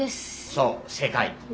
そう正解。